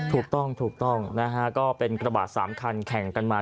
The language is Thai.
ถูกต้องถูกต้องนะฮะก็เป็นกระบาด๓คันแข่งกันมา